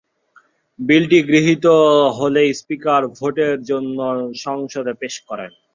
বিলটি গৃহীত হলে স্পীকার ভোটের জন্য সংসদে পেশ করেন।